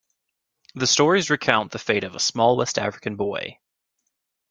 The stories recount the fate of a small West African boy.